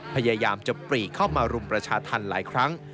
พยายามจะปรีเข้ามารุมประชาธรรมหลายครั้ง